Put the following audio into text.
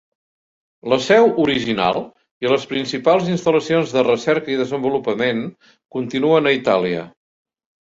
La seu original i les principals instal·lacions de recerca i desenvolupament continuen a Itàlia.